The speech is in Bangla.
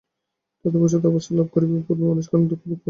তথাপি উচ্চতর অবস্থা লাভ করিবার পূর্বে মানুষকে অনেক দুঃখ ভোগ করিতে হয়।